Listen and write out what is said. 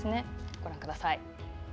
ご覧ください。